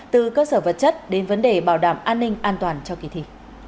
từ cơ sở vật chất đến vấn đề bảo đảm an ninh an toàn cho kỳ thi